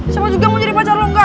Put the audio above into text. siapa juga mau jadi pacar lo nggak